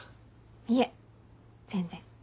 いえ全然。